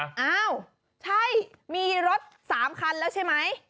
อ้าวใช่มีรถ๓คันแล้วใช่ไหม